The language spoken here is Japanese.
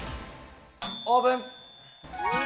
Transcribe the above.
オープン！